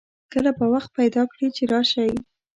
کله به وخت پیدا کړي چې راشئ